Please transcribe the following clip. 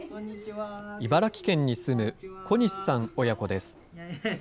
茨城県に住む小西さん親子です。